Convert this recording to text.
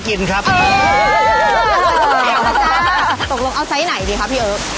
ตกลงเอาไซด์ไหนเพียเอ๊บ